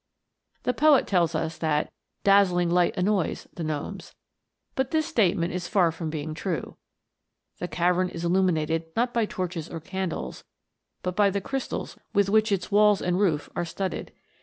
The poet tells us that " dazzling light annoys" the gnomes, but this statement is far from being true. The cavern is illuminated not by torches or 264 THE GNOMES. candles, but by the crystals with which its walls and roof are studded.